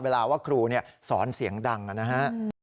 เวลาว่าครูสอนเสียงดังนะฮะ